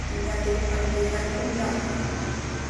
¿Inyaticpan quih iyat contamjc?